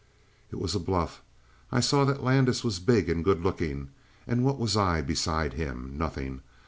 "It was bluff. I saw that Landis was big and good looking. And what was I beside him? Nothing.